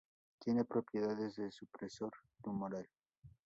Tiene propiedades de supresor tumoral.